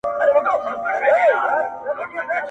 • په دې ډنډ کي نوري نه سو لمبېدلای -